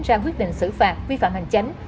ra quyết định xử phạt vi phạm hành chánh